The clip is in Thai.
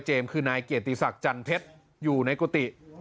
คือนายเกียรติศักดิ์จันเพชรอยู่ในกุฏิ